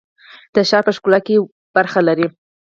د ښار په ښکلا کې ونډه لري؟